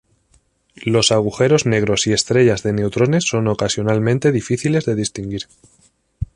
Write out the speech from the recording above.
Los agujeros negros y estrellas de neutrones son ocasionalmente difíciles de distinguir.